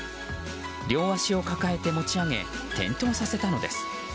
両足を抱えて持ち上げ転倒させたのです。